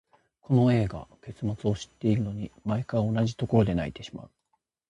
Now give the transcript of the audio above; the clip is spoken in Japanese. この映画、結末を知っているのに、毎回同じところで泣いてしまう。